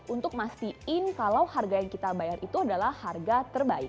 untuk memastikan kalau harga yang kita bayar itu adalah harga terbaik